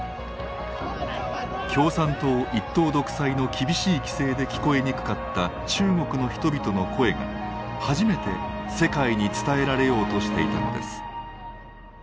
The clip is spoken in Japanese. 共産党一党独裁の厳しい規制で聞こえにくかった中国の人々の声が初めて世界に伝えられようとしていたのです。